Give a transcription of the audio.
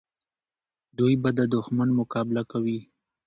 دوی به د دښمن مقابله کوي.